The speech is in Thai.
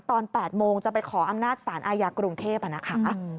ตอน๘โมงจะไปขออำนาจสารอาญากรุงเทพนะคะ